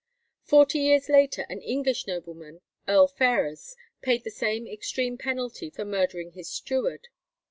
Forty years later an English nobleman, Earl Ferrers, paid the same extreme penalty for murdering his steward.